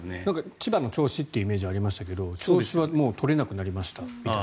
千葉の銚子というイメージがありますが銚子は取れなくなりましたみたいな。